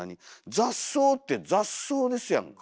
雑草って雑草ですやんか。